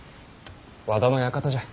和田の館じゃ。